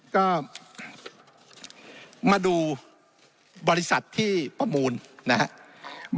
ก็มาดูบริษัทที่ประมูลนะครับ